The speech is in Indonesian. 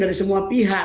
dari semua pihak